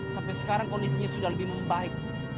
sampai sekarang kondisinya sudah lebih membaik